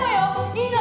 いいの？